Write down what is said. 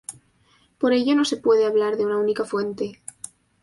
Por ello no se puede hablar de una única fuente.